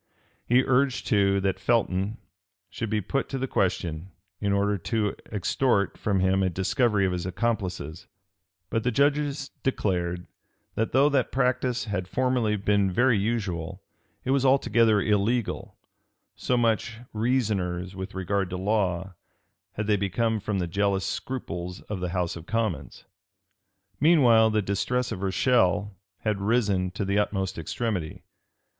He urged too, that Felton should be put to the question, in order to extort from him a discovery of his accomplices; but the judges declared, that though that practice had formerly been very usual, it was altogether illegal: so much reasoners, with regard to law, had they become from the jealous scruples of the house of commons. Meanwhile the distress of Rochelle had risen to the utmost extremity.